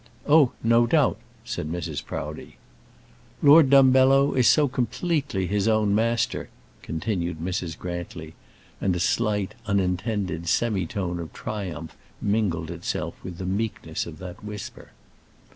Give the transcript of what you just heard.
"Oh, no doubt," said Mrs. Proudie. "Lord Dumbello is so completely his own master," continued Mrs. Grantly, and a slight, unintended semi tone of triumph mingled itself with the meekness of that whisper.